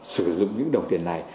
sử dụng những đồng tiền này